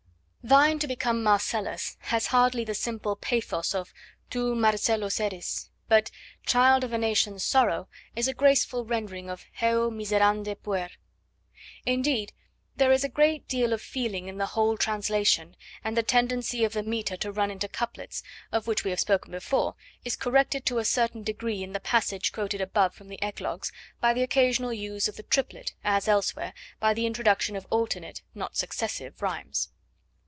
'Thine to become Marcellus' has hardly the simple pathos of 'Tu Marcellus eris,' but 'Child of a nation's sorrow' is a graceful rendering of 'Heu, miserande puer.' Indeed, there is a great deal of feeling in the whole translation, and the tendency of the metre to run into couplets, of which we have spoken before, is corrected to a certain degree in the passage quoted above from the Eclogues by the occasional use of the triplet, as, elsewhere, by the introduction of alternate, not successive, rhymes.